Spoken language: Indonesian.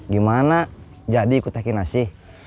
gimana jadi ikut teh kinasi